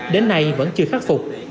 đến nay vẫn chưa khắc phục